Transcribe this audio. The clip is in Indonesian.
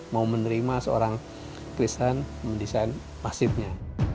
mau menerima seorang kristen mendesain masjidnya